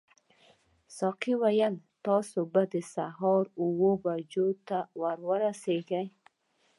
ساقي وویل تاسي به د سهار اوو بجو ته ورسیږئ.